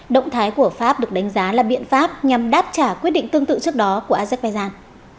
động thái của pháp được đánh giá là biện pháp nhằm đáp trả quyết định tương tự trước đó của azerbaijan